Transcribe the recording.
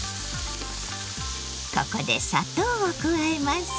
ここで砂糖を加えます。